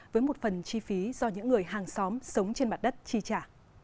với một phần chi phí do những người hàng xóm sống trên mặt đất chi trả